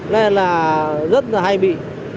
nên là rất là hay bị